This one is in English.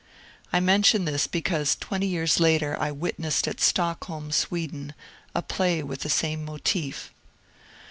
I mention this because twenty years later I witnessed at Stockholm, Sweden, a play with the same motif.